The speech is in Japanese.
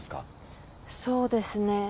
そうですね。